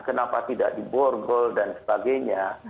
kenapa tidak di borgol dan sebagainya